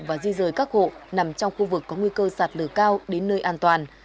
và di rời các hộ nằm trong khu vực có nguy cơ sạt lửa cao đến nơi an toàn